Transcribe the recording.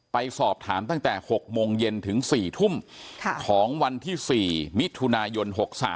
ไปสอบถามตั้งแต่๖โมงเย็นถึง๔ทุ่มของวันที่๔มิถุนายน๖๓